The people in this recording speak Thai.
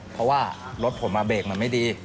เพราะว่ารถผมมาเบรกมันไม่ดี